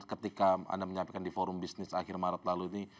ketika anda menyampaikan di forum bisnis akhir maret lalu ini